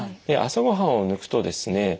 で朝ご飯を抜くとですね